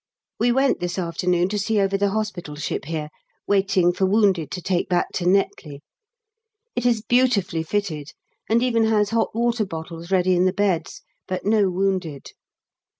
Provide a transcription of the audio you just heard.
We went this afternoon to see over the Hospital Ship here, waiting for wounded to take back to Netley. It is beautifully fitted, and even has hot water bottles ready in the beds, but no wounded.